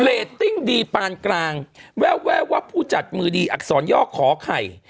ตติ้งดีปานกลางแววว่าผู้จัดมือดีอักษรย่อขอไข่